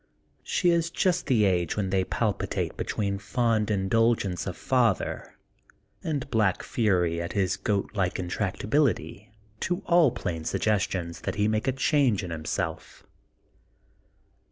She is just the age when they palpitate between fond indulgence of '^father'* and! black fury at his goat like intractability to all plain sug gestions that he make a change in himself.